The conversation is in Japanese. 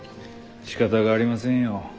しかたがありませんよ。